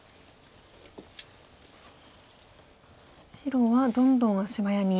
白はどんどん足早に。